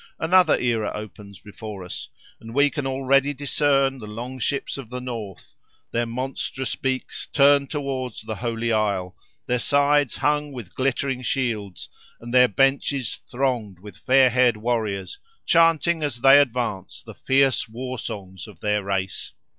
Another era opens before us, and we can already discern the long ships of the north, their monstrous beaks turned towards the holy Isle, their sides hung with glittering shields and their benches thronged with fair haired warriors, chanting as they advance the fierce war songs of their race.